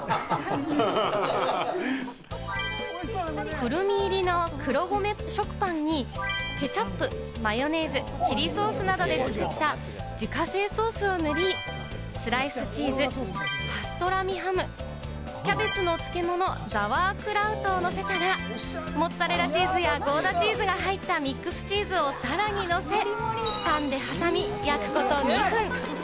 クルミ入りの黒米食パンにケチャップ、マヨネーズ、チリソースなどで作った自家製ソースを塗り、スライスチーズ、パストラミハム、キャベツの漬物・ザワークラウトをのせたら、モッツァレラチーズやゴーダチーズが入ったミックスチーズをさらにのせ、パンで挟み、焼くこと２分。